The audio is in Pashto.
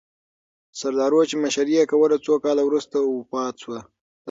سردارو چې مشري یې کوله، څو کاله وروسته وفات سوه.